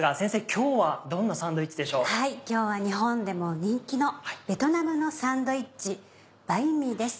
今日は日本でも人気のベトナムのサンドイッチ「バインミー」です。